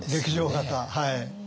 はい。